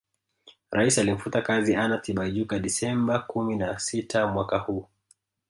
Rais alimfuta kazi Anna Tibaijuka Desemba kumi na sita mwaka huu